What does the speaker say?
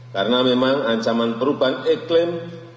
karena memang ancaman perubahan eklim